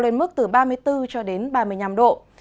nền nhiệt cao lên mức từ ba mươi bốn ba mươi năm độ